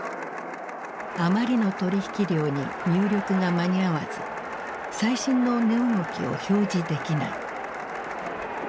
あまりの取引量に入力が間に合わず最新の値動きを表示できない。